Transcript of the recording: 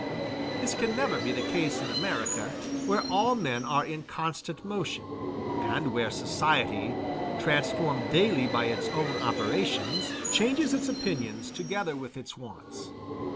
This can never be the case in America, where all men are in constant motion; and where society, transformed daily by its own operations, changes its opinions together with its wants.